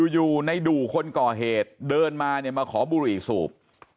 อยู่ในดูคนก่อเหตุเดินมาเนี่ยมาขอบุหรี่สูบ